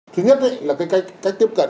thứ nhất là cái tiếp cận